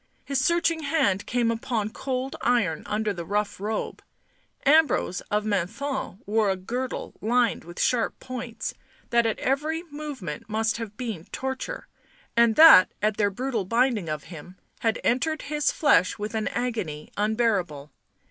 His searching hand came upon cold iron under the rough robe ; Ambrose of Menthon wore a girdle lined with sharp points, that at every movement must have been torture, and that, at their brutal binding of him, had entered his flesh with an agony unbearable.